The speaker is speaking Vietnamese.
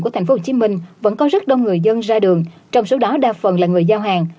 của tp hcm vẫn có rất đông người dân ra đường trong số đó đa phần là người giao hàng